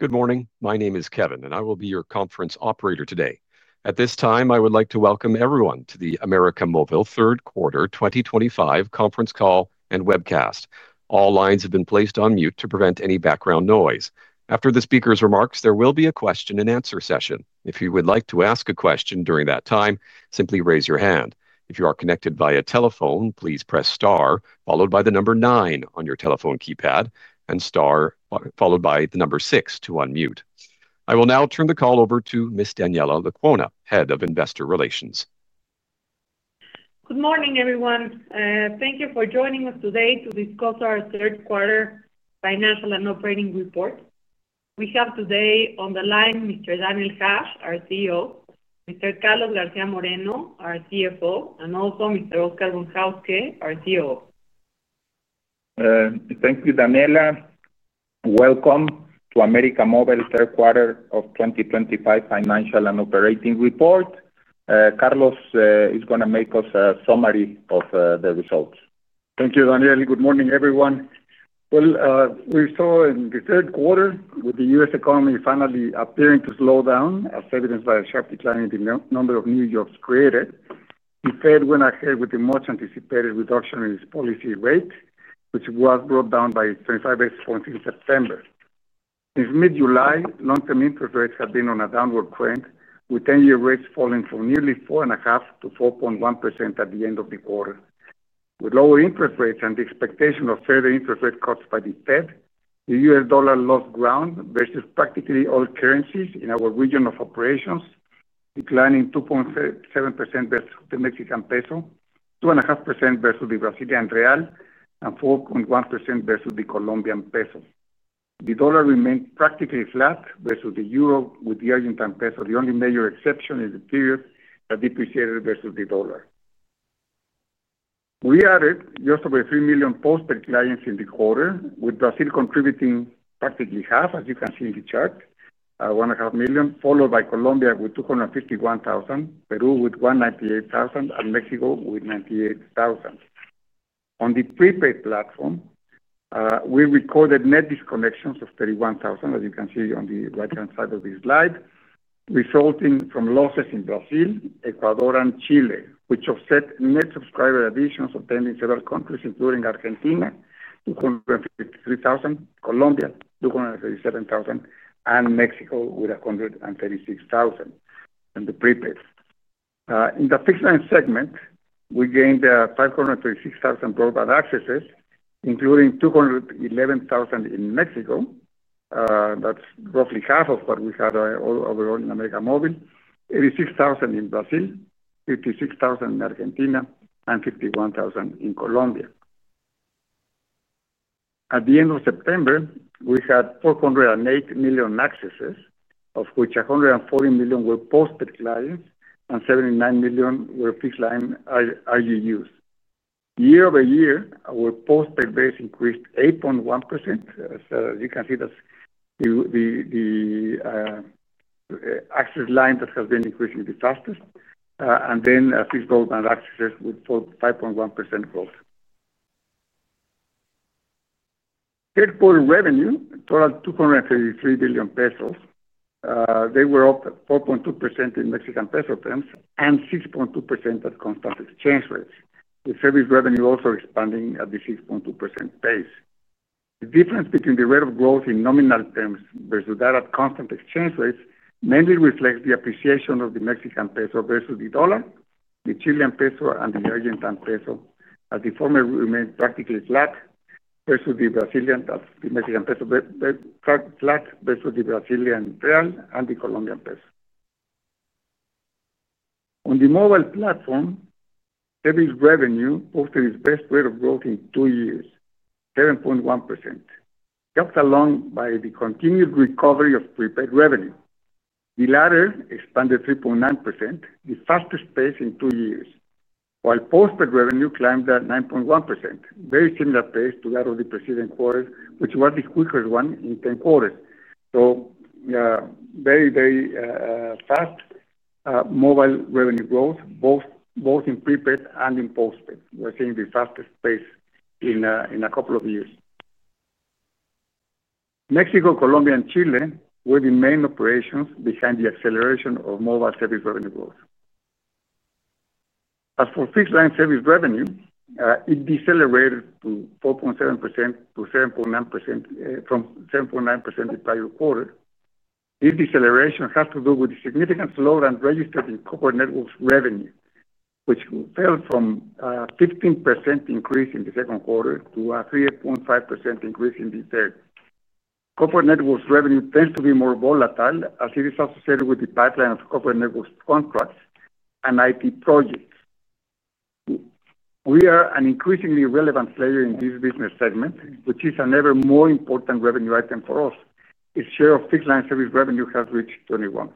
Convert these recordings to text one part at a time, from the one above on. Good morning. My name is Kevin, and I will be your conference operator today. At this time, I would like to welcome everyone to the América Móvil third quarter 2025 conference call and webcast. All lines have been placed on mute to prevent any background noise. After the speaker's remarks, there will be a question and answer session. If you would like to ask a question during that time, simply raise your hand. If you are connected via telephone, please press star, followed by the number nine on your telephone keypad, and star, followed by the number six to unmute. I will now turn the call over to Ms. Daniela Lecuona, Head of Investor Relations. Good morning, everyone. Thank you for joining us today to discuss our third quarter financial and operating report. We have today on the line Mr. Daniel Hajj, our CEO, Mr. Carlos García Moreno, our CFO, and also Mr. Oscar Von Hauske, our COO. Thank you, Daniela. Welcome to América Móvil third quarter of 2025 financial and operating report. Carlos is going to make us a summary of the results. Thank you, Daniel. Good morning, everyone. In the third quarter, with the U.S. economy finally appearing to slow down, as evidenced by a sharp decline in the number of new jobs created, the Fed went ahead with the much-anticipated reduction in its policy rate, which was brought down by 25 basis points in September. Since mid-July, long-term interest rates have been on a downward trend, with 10-year rates falling from nearly 4.5% to 4.1% at the end of the quarter. With lower interest rates and the expectation of further interest rate cuts by the Fed, the U.S. dollar lost ground versus practically all currencies in our region of operations, declining 2.7% versus the Mexican peso, 2.5% versus the Brazilian real, and 4.1% versus the Colombian peso. The dollar remained practically flat versus the euro, with the Argentine peso the only major exception in the period that depreciated versus the dollar. We added just over 3 million postpaid clients in the quarter, with Brazil contributing practically half, as you can see in the chart, 1.5 million, followed by Colombia with 251,000, Peru with 198,000, and Mexico with 98,000. On the prepaid platform, we recorded net disconnections of 31,000, as you can see on the right-hand side of this slide, resulting from losses in Brazil, Ecuador, and Chile, which offset net subscriber additions attending several countries, including Argentina, 253,000, Colombia, 237,000, and Mexico with 136,000 in the prepaid. In the fixed-line segment, we gained 536,000 broadband accesses, including 211,000 in Mexico. That's roughly half of what we had overall in América Móvil, 86,000 in Brazil, 56,000 in Argentina, and 51,000 in Colombia. At the end of September, we had 408 million accesses, of which 140 million were postpaid clients and 79 million were fixed-line IUUs. Year-over-year, our postpaid base increased 8.1%. As you can see, that's the access line that has been increasing the fastest, and then fixed broadband accesses with 5.1% growth. Third quarter revenue totaled $233 billion pesos. They were up 4.2% in Mexican peso terms and 6.2% at constant exchange rates, the service revenue also expanding at the 6.2% pace. The difference between the rate of growth in nominal terms versus that at constant exchange rates mainly reflects the appreciation of the Mexican peso versus the dollar. The Chilean peso and the Argentine peso, as the former remained practically flat versus the Brazilian peso, flat versus the Brazilian real and the Colombian peso. On the mobile platform, service revenue posted its best rate of growth in two years, 7.1%, helped along by the continued recovery of prepaid revenue. The latter expanded 3.9%, the fastest pace in two years, while postpaid revenue climbed at 9.1%, a very similar pace to that of the preceding quarter, which was the quickest one in 10 quarters. Very, very fast mobile revenue growth, both in prepaid and in postpaid. We're seeing the fastest pace in a couple of years. Mexico, Colombia, and Chile were the main operations behind the acceleration of mobile service revenue growth. As for fixed-line service revenue, it decelerated to 4.7% from 7.9% the prior quarter. This deceleration has to do with the significant slowdown registered in corporate networks revenue, which fell from a 15% increase in the second quarter to a 3.5% increase in the third. Corporate networks revenue tends to be more volatile as it is associated with the pipeline of corporate networks contracts and IT projects. We are an increasingly relevant player in this business segment, which is an ever more important revenue item for us. Its share of fixed-line service revenue has reached 21%.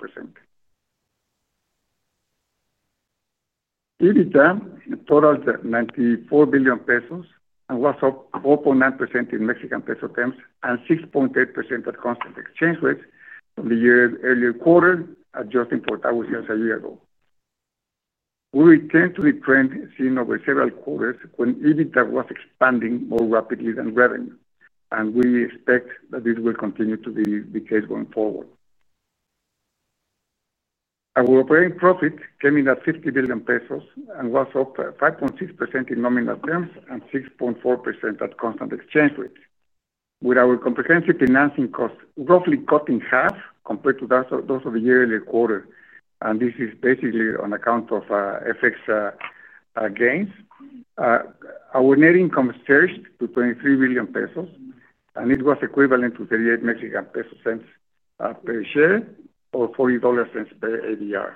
EBITDA totals $94 billion pesos and was up 4.9% in Mexican peso terms and 6.8% at constant exchange rates from the year earlier quarter, adjusting for that was just a year ago. We returned to the trend seen over several quarters when EBITDA was expanding more rapidly than revenue, and we expect that this will continue to be the case going forward. Our operating profit came in at $50 billion pesos and was up 5.6% in nominal terms and 6.4% at constant exchange rates. With our comprehensive financing costs roughly cut in half compared to those of the earlier quarter, and this is basically on account of FX gains, our net income surged to $23 billion pesos, and it was equivalent to $0.38 per share or $0.40 per ADR.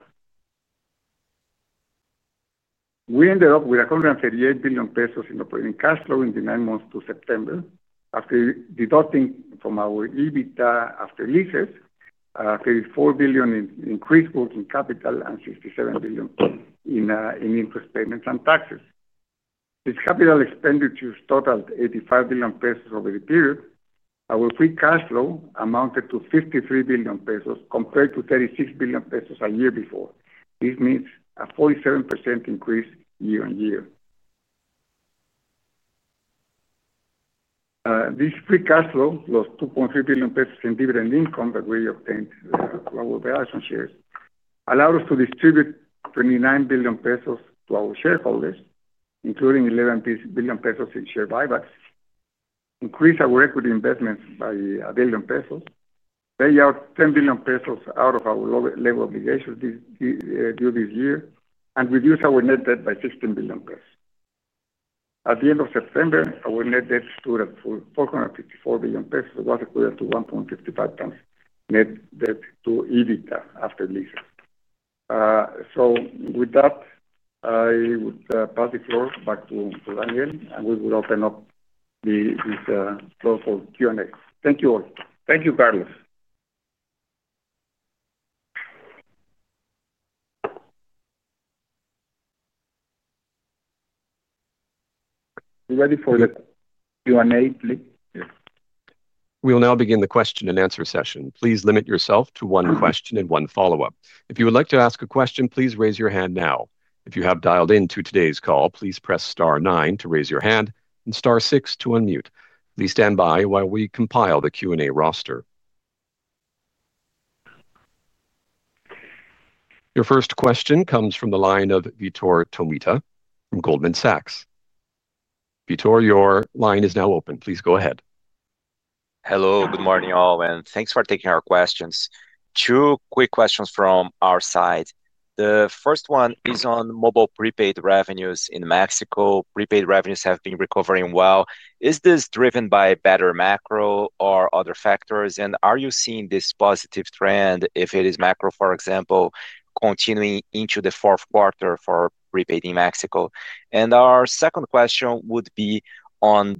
We ended up with $138 billion pesos in operating cash flow in the nine months to September, after deducting from our EBITDA after leases, $34 billion in increased working capital and $67 billion in interest payments and taxes. Capital expenditures totaled $85 billion pesos over the period. Our free cash flow amounted to $53 billion pesos compared to $36 billion pesos a year before. This means a 47% increase year on year. This free cash flow plus $2.3 billion pesos in dividend income that we obtained through our valuation shares allowed us to distribute $29 billion pesos to our shareholders, including $11 billion pesos in share buybacks, increase our equity investments by $1 billion pesos, pay out $10 billion pesos out of our low-level obligations due this year, and reduce our net debt by $16 billion pesos. At the end of September, our net debt stood at $454 billion pesos, which was equivalent to 1.55x net debt to EBITDA after leases. With that, I would pass the floor back to Daniel, and we would open up this floor for Q&A. Thank you all. Thank you, Carlos. Are we ready for the Q&A, please? We will now begin the question and answer session. Please limit yourself to one question and one follow-up. If you would like to ask a question, please raise your hand now. If you have dialed into today's call, please press star nine to raise your hand and star six to unmute. Please stand by while we compile the Q&A roster. Your first question comes from the line of Vitor Tomita from Goldman Sachs. Vitor, your line is now open. Please go ahead. Hello. Good morning, all, and thanks for taking our questions. Two quick questions from our side. The first one is on mobile prepaid revenues in Mexico. Prepaid revenues have been recovering well. Is this driven by better macro or other factors? Are you seeing this positive trend, if it is macro, for example, continuing into the fourth quarter for prepaid in Mexico? Our second question would be on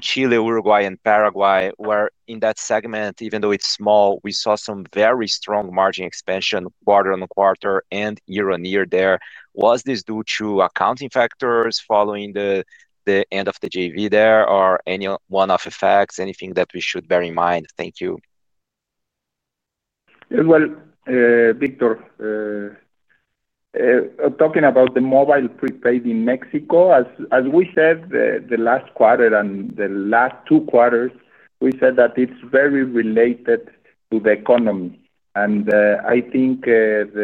Chile, Uruguay, and Paraguay, where in that segment, even though it's small, we saw some very strong margin expansion quarter on quarter and year on year there. Was this due to accounting factors following the end of the JV there or any one-off effects, anything that we should bear in mind? Thank you. Vitor, talking about the mobile prepaid in Mexico, as we said, the last quarter and the last two quarters, we said that it's very related to the economy. I think the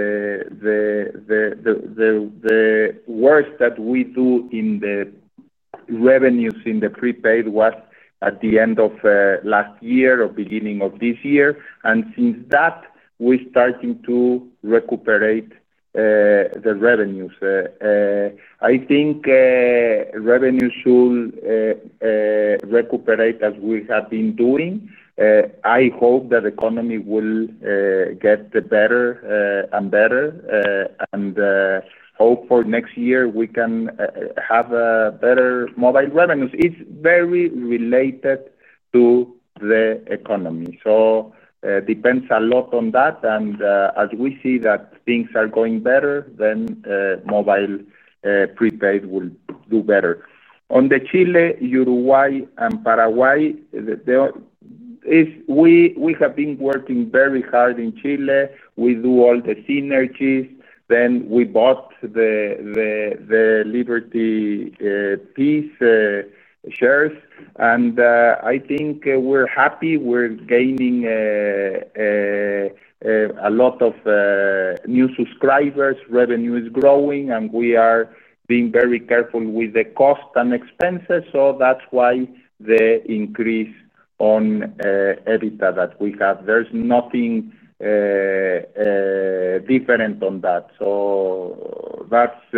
worst that we do in the revenues in the prepaid was at the end of last year or beginning of this year. Since that, we're starting to recuperate the revenues. I think revenues will recuperate as we have been doing. I hope that the economy will get better and better, and hope for next year we can have better mobile revenues. It's very related to the economy. It depends a lot on that. As we see that things are going better, then mobile prepaid will do better. On Chile, Uruguay, and Paraguay, we have been working very hard in Chile. We do all the synergies. We bought the Liberty [peace] shares. I think we're happy. We're gaining a lot of new subscribers. Revenue is growing, and we are being very careful with the cost and expenses. That's why the increase on EBITDA that we have. There's nothing different on that. That's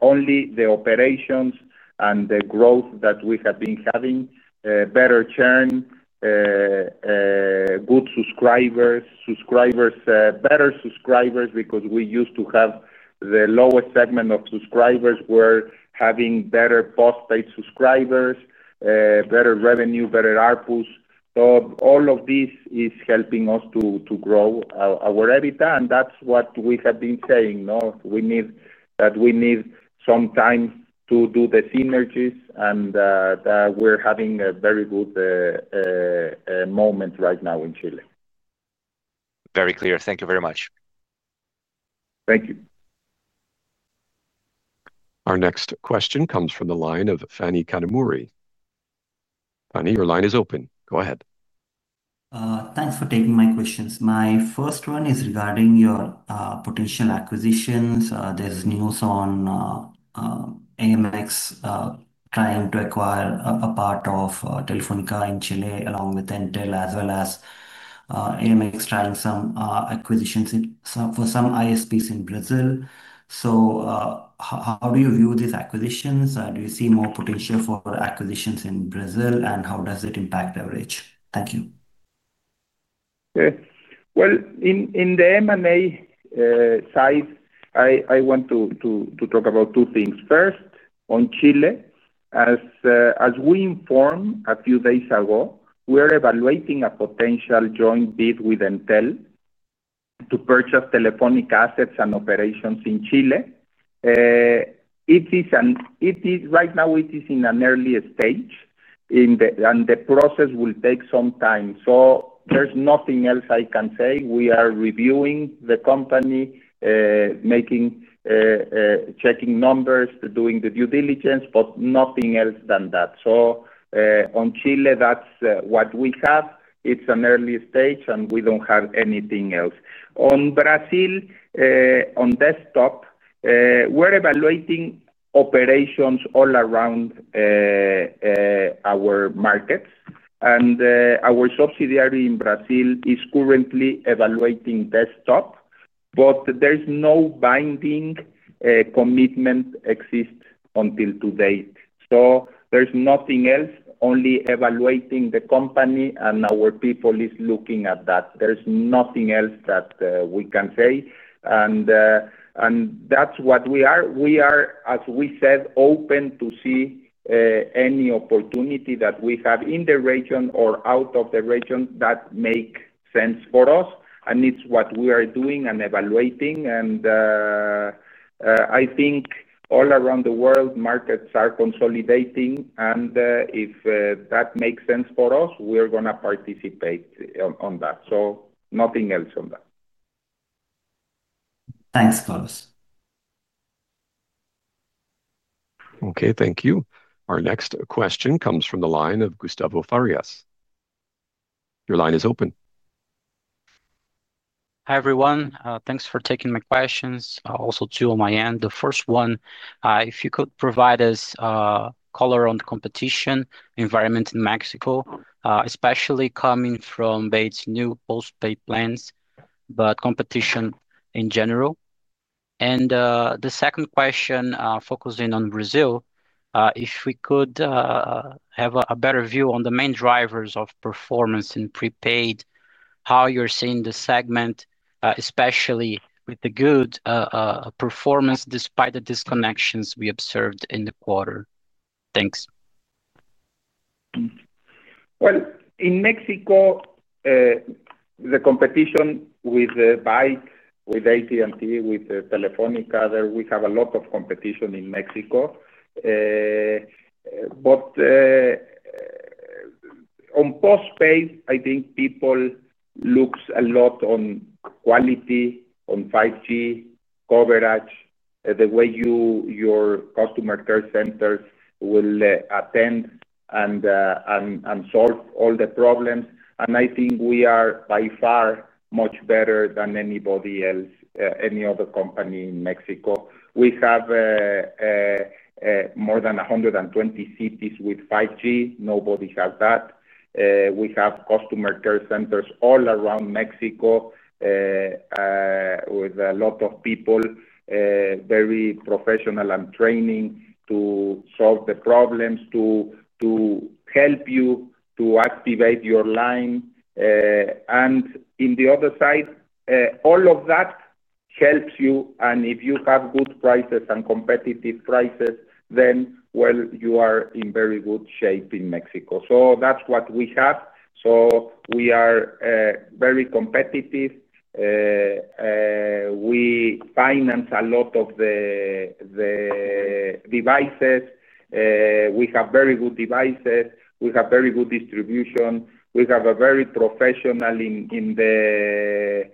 only the operations and the growth that we have been having: better churn, good subscribers, better subscribers because we used to have the lowest segment of subscribers. We're having better postpaid subscribers, better revenue, better ARPUs. All of this is helping us to grow our EBITDA. That's what we have been saying. We need some time to do the synergies and we're having a very good moment right now in Chile. Very clear. Thank you very much. Thank you. Our next question comes from the line of Phani Kanumuri. Phani, your line is open. Go ahead. Thanks for taking my questions. My first one is regarding your potential acquisitions. There's news on AMX trying to acquire a part of Telefónica in Chile along with Entel, as well as AMX trying some acquisitions for some ISPs in Brazil. How do you view these acquisitions? Do you see more potential for acquisitions in Brazil, and how does it impact average? Thank you. Okay. In the M&A side, I want to talk about two things. First, on Chile, as we informed a few days ago, we are evaluating a potential joint bid with Entel to purchase Telefónica assets and operations in Chile. It is right now, it is in an early stage, and the process will take some time. There's nothing else I can say. We are reviewing the company, checking numbers, doing the due diligence, but nothing else than that. On Chile, that's what we have. It's an early stage, and we don't have anything else. On Brazil, on Desktop, we're evaluating operations all around our markets. Our subsidiary in Brazil is currently evaluating Desktop, but there's no binding commitment existing to date. There's nothing else, only evaluating the company and our people is looking at that. There's nothing else that we can say. That's what we are. We are, as we said, open to see any opportunity that we have in the region or out of the region that makes sense for us. It's what we are doing and evaluating. I think all around the world, markets are consolidating. If that makes sense for us, we're going to participate on that. Nothing else on that. Thanks. Okay. Thank you. Our next question comes from the line of Gustavo Farias. Your line is open. Hi, everyone. Thanks for taking my questions. The first one, if you could provide us a color on the competition environment in Mexico, especially coming from [inaudible] new postpaid plans, but competition in general. The second question focusing on Brazil, if we could have a better view on the main drivers of performance in prepaid, how you're seeing the segment, especially with the good performance despite the disconnections we observed in the quarter. Thanks. In Mexico, the competition with the bike, with AT&T, with Telefónica, we have a lot of competition in Mexico. On postpaid, I think people look a lot on quality, on 5G coverage, the way your customer care centers will attend and solve all the problems. I think we are by far much better than anybody else, any other company in Mexico. We have more than 120 cities with 5G. Nobody has that. We have customer care centers all around Mexico with a lot of people, very professional and training to solve the problems, to help you to activate your line. On the other side, all of that helps you. If you have good prices and competitive prices, you are in very good shape in Mexico. That's what we have. We are very competitive. We finance a lot of the devices. We have very good devices. We have very good distribution. We have a very professional in the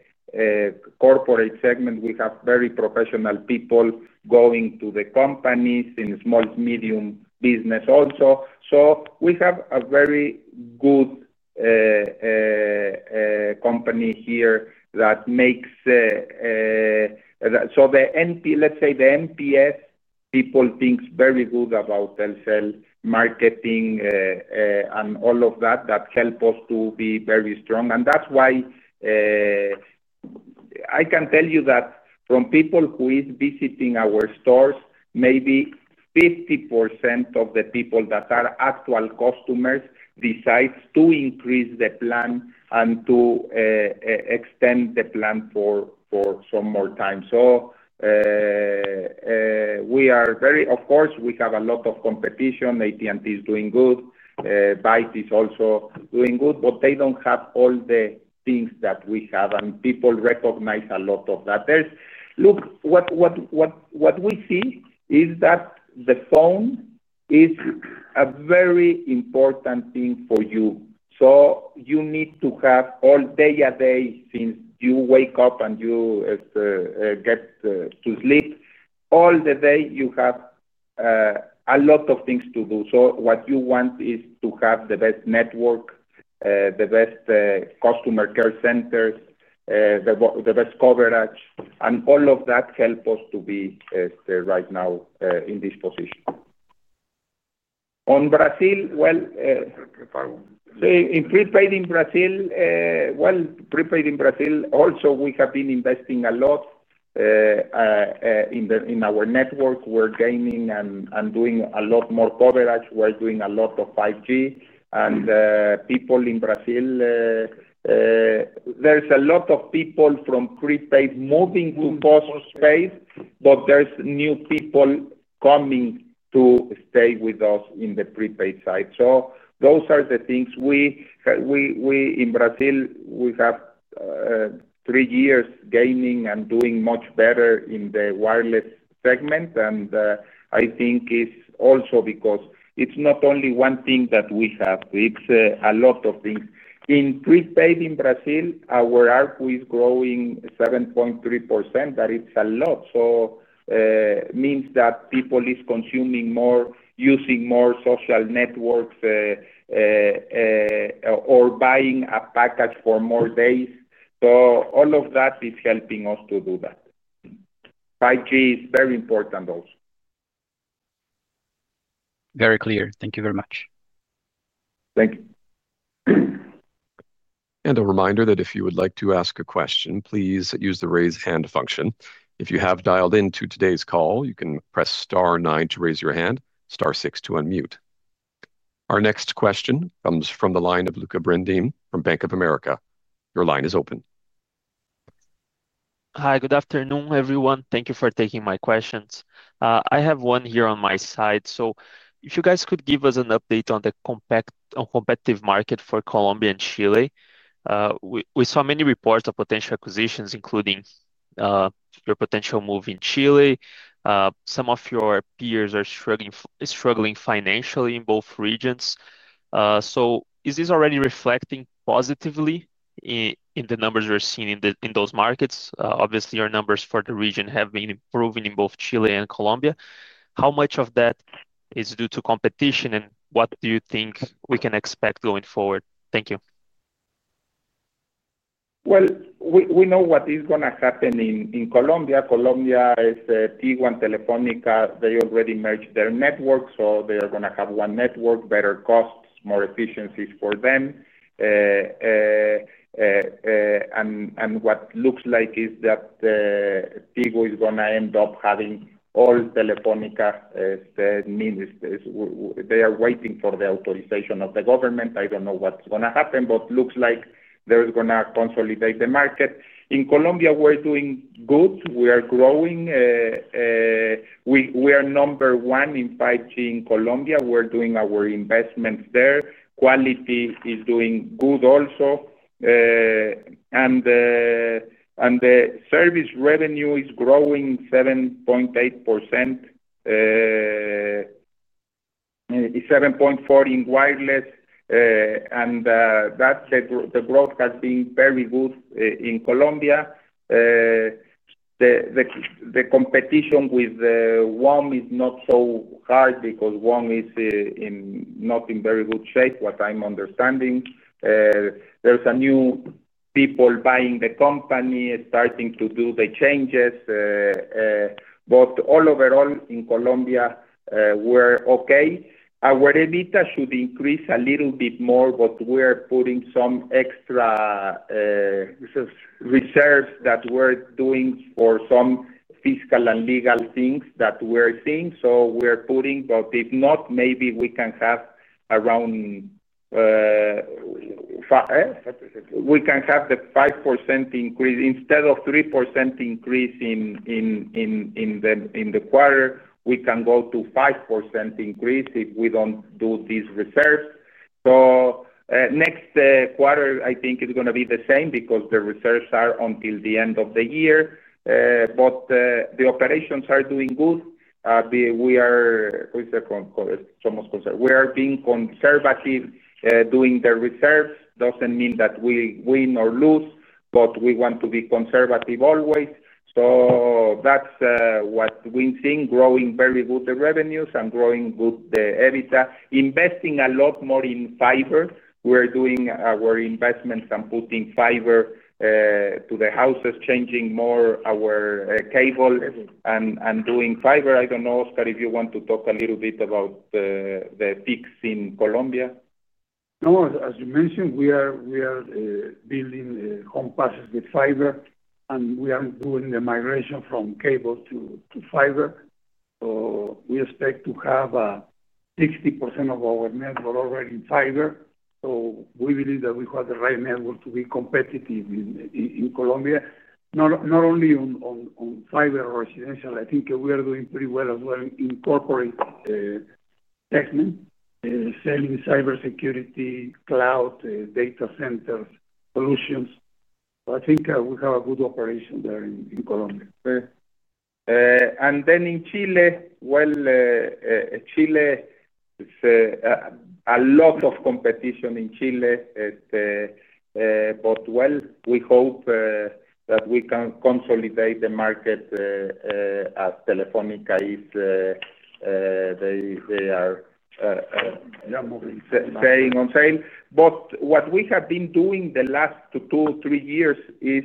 corporate segment. We have very professional people going to the companies in small, medium business also. We have a very good company here that makes so the NPS, let's say the NPS people think very good about Telcel, marketing, and all of that that helps us to be very strong. That's why I can tell you that from people who are visiting our stores, maybe 50% of the people that are actual customers decide to increase the plan and to extend the plan for some more time. We are very, of course, we have a lot of competition. AT&T is doing good. Bite is also doing good, but they don't have all the things that we have, and people recognize a lot of that. Look, what we see is that the phone is a very important thing for you. You need to have all day a day, since you wake up and you get to sleep, all the day, you have a lot of things to do. What you want is to have the best network, the best customer care centers, the best coverage, and all of that helps us to be right now in this position. In Brazil, in prepaid in Brazil, prepaid in Brazil, also, we have been investing a lot in our network. We're gaining and doing a lot more coverage. We're doing a lot of 5G. People in Brazil, there's a lot of people from prepaid moving to postpaid, but there's new people coming to stay with us in the prepaid side. Those are the things we, in Brazil, we have three years gaining and doing much better in the wireless segment. I think it's also because it's not only one thing that we have. It's a lot of things. In prepaid in Brazil, our ARPU is growing 7.3%. That is a lot. It means that people are consuming more, using more social networks, or buying a package for more days. All of that is helping us to do that. 5G technology is very important also. Very clear. Thank you very much. Thank you. A reminder that if you would like to ask a question, please use the raise hand function. If you have dialed into today's call, you can press star nine to raise your hand, star six to unmute. Our next question comes from the line of Lucca Brendim from Bank of America. Your line is open. Hi. Good afternoon, everyone. Thank you for taking my questions. I have one here on my side. If you guys could give us an update on the competitive market for Colombia and Chile. We saw many reports of potential acquisitions, including your potential move in Chile. Some of your peers are struggling financially in both regions. Is this already reflecting positively in the numbers we're seeing in those markets? Obviously, your numbers for the region have been improving in both Chile and Colombia. How much of that is due to competition, and what do you think we can expect going forward? Thank you. We know what is going to happen in Colombia. Colombia is Tigo and Telefónica. They already merged their networks, so they are going to have one network, better costs, more efficiencies for them. What looks like is that Tigo is going to end up having all Telefónica's Ministers. They are waiting for the authorization of the government. I don't know what's going to happen, but it looks like they're going to consolidate the market. In Colombia, we're doing good. We are growing. We are number one in 5G in Colombia. We're doing our investments there. Quality is doing good also. The service revenue is growing 7.8%, 7.4% in wireless. That's the growth, has been very good in Colombia. The competition with WOM is not so hard because WOM is not in very good shape, what I'm understanding. There's new people buying the company, starting to do the changes. Overall, in Colombia, we're okay. Our EBITDA should increase a little bit more, but we're putting some extra reserves that we're doing for some fiscal and legal things that we're seeing. We're putting, but if not, maybe we can have around, we can have the 5% increase. Instead of 3% increase in the quarter, we can go to 5% increase if we don't do these reserves. Next quarter, I think, is going to be the same because the reserves are until the end of the year. The operations are doing good. We are, who is that, we are being conservative. Doing the reserves doesn't mean that we win or lose, but we want to be conservative always. That's what we're seeing, growing very good the revenues and growing good the EBITDA, investing a lot more in fiber. We're doing our investments and putting fiber to the houses, changing more our cables and doing fiber. I don't know, Oscar, if you want to talk a little bit about the fix in Colombia. No, as you mentioned, we are building home passes with fiber, and we are doing the migration from cable to fiber. We expect to have 60% of our network already in fiber. We believe that we have the right network to be competitive in Colombia, not only on fiber or residential. I think we are doing pretty well as well in the corporate segment, selling cybersecurity, cloud, data centers, solutions. I think we have a good operation there in Colombia. In Chile, there is a lot of competition. We hope that we can consolidate the market as Telefónica is saying on sale. What we have been doing the last two or three years is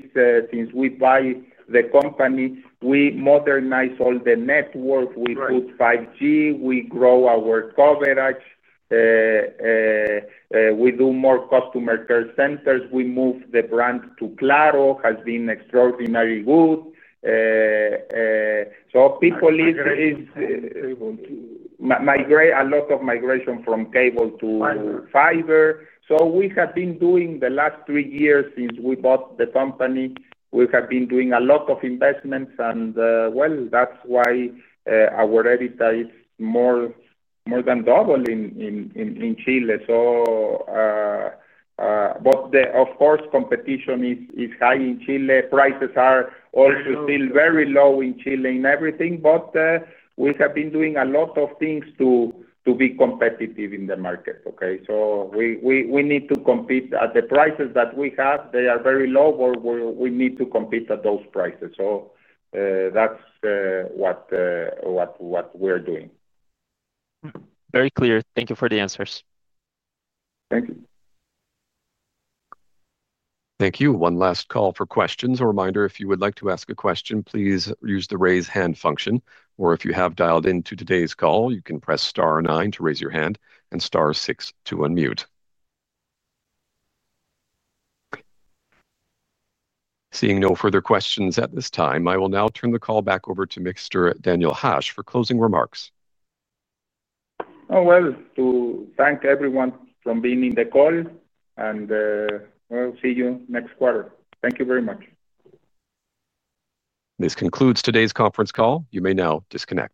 since we bought the company, we modernized all the network. We put 5G. We grew our coverage. We did more customer care centers. We moved the brand to Claro, which has been extraordinarily good. People migrate—a lot of migration from cable to fiber. We have been doing the last three years since we bought the company, we have been doing a lot of investments. That is why our EBITDA is more than double in Chile. Of course, competition is high in Chile. Prices are also still very low in Chile in everything. We have been doing a lot of things to be competitive in the market. We need to compete at the prices that we have. They are very low, but we need to compete at those prices. That is what we're doing. Very clear. Thank you for the answers. Thank you. Thank you. One last call for questions. A reminder, if you would like to ask a question, please use the raise hand function. If you have dialed into today's call, you can press star nine to raise your hand and star six to unmute. Seeing no further questions at this time, I will now turn the call back over to Mr. Daniel Hajj for closing remarks. Thank you everyone for being in the call. We'll see you next quarter. Thank you very much. This concludes today's conference call. You may now disconnect.